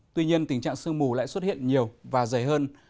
tuy nhiên tình trạng sương mù lại xuất hiện nhiều và dày hơn